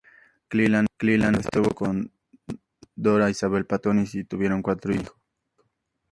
Cleland estuvo casado con Dora Isabel Paton, y tuvieron cuatro hijas y un hijo.